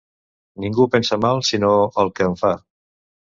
Ningú pensa mal, sinó el que en fa.